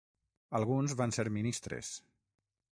Alguns van ser ministres.